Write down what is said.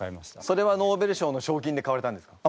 それはノーベル賞の賞金で買われたんですか？